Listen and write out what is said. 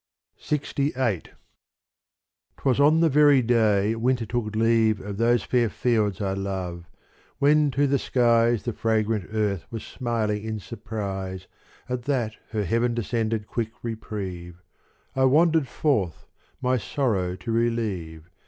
LXVIII 9'^ 1 ^ WAS on the very day winter took leave I Of those fair fields I love, when to the skies The fragrant Earth was smiling in surprise At that her heaven descended quick reprieve, I wandered forth my sorrow to relieve.